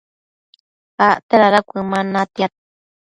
acte dada cuëman natiad